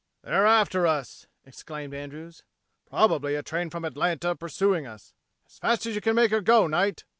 "They're after us!" exclaimed Andrews. "Probably a train from Atlanta pursuing us! As fast as you can make her go, Knight."